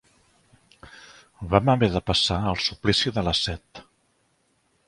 Vam haver de passar el suplici de la set.